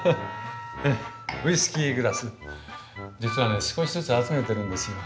実はね少しずつ集めてるんですよ。